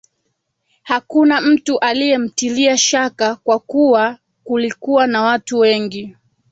Hakuna mtu aliyemtilia shaka kwa kuwa kulikuwa na watu wengi